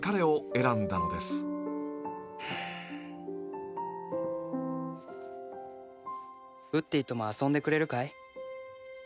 「フゥ」「ウッディとも遊んでくれるかい？」